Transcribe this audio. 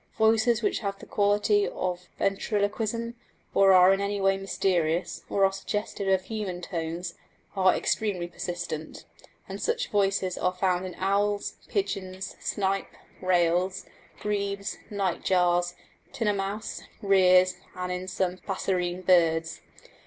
Voices which have the quality of ventriloquism, or are in any way mysterious, or are suggestive of human tones, are extremely persistent; and such voices are found in owls, pigeons, snipe, rails, grebes, night jars, tinamous, rheas, and in some passerine birds.